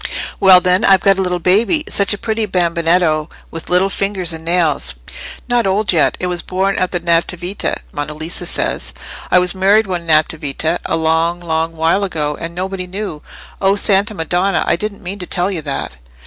"Well, then, I've got a little baby. Such a pretty bambinetto, with little fingers and nails! Not old yet; it was born at the Nativita, Monna Lisa says. I was married one Nativita, a long, long while ago, and nobody knew. O Santa Madonna! I didn't mean to tell you that!"